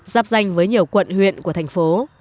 giáp danh với nhiều quận huyện của thành phố